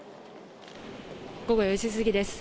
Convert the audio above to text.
午後４時過ぎです。